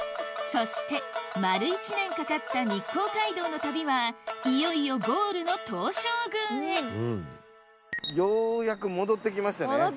そして丸１年かかった日光街道の旅はいよいよゴールの東照宮へようやく戻ってきましたね。